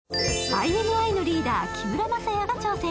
ＩＮＩのリーダー、木村柾哉が挑戦。